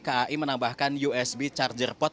kai menambahkan usb charger pot